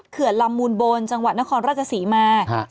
๓เครื่อนลำมูลบลจังหวัดนครราชสีมา